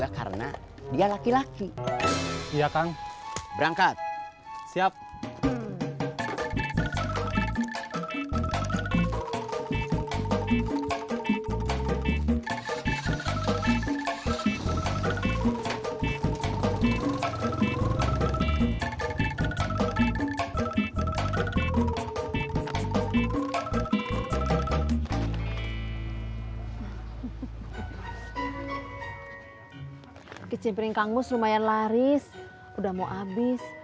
karena belum haji